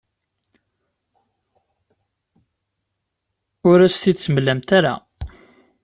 Ur as-t-id-temlamt ara.